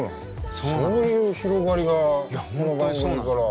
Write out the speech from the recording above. そういう広がりがこの番組から。